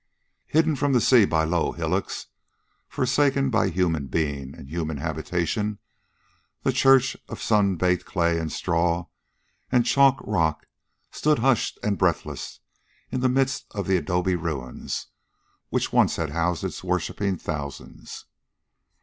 Hidden from the sea by low hillocks, forsaken by human being and human habitation, the church of sun baked clay and straw and chalk rock stood hushed and breathless in the midst of the adobe ruins which once had housed its worshiping thousands.